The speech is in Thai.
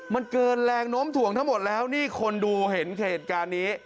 มันเกินแรงโน้มถ่วงทั้งหมดแล้วนี่คนดูเห็นเหตุการณ์นี้